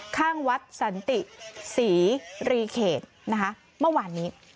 ข้างวัดสันติศรีเขตเมื่อวานนี้